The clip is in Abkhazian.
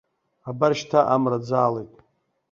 Абар шьҭа амра ӡаалеит.